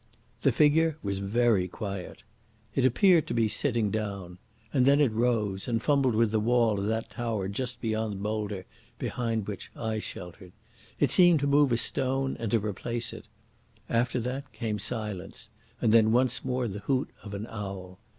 The figure was very quiet. It appeared to be sitting down, and then it rose and fumbled with the wall of the tower just beyond the boulder behind which I sheltered. It seemed to move a stone and to replace it. After that came silence, and then once more the hoot of an owl.